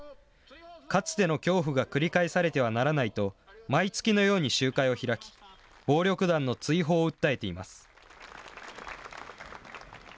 かつての恐怖が繰り返されてはならないと、毎月のように集会を開き、暴力団の追放を訴えています。